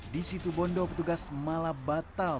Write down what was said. di situ bondo petugas malah batal